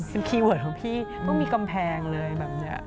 เป็นคีย์เวิร์ดของพี่ไม่มีกำแพงเลยแบบนี้